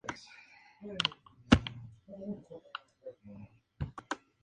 Fue referido brevemente por Max Beerbohm en su relato Enoch Soames.